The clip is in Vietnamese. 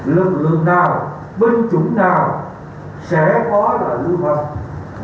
lực lượng nào binh chủng nào sẽ có lợi lưu hợp